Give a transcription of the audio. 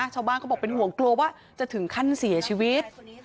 เขาบอกเป็นห่วงกลัวว่าจะถึงขั้นเสียชีวิต